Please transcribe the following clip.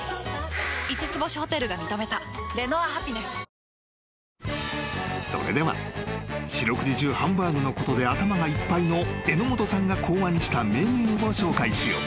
ダラッタラッタダース［それでは四六時中ハンバーグのことで頭がいっぱいの榎本さんが考案したメニューを紹介しよう］